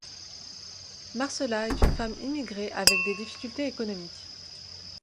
Marcela est une femme immigrée avec des difficultés économiques.